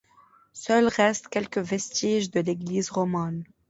Seuls restent quelques vestiges de l'église romane.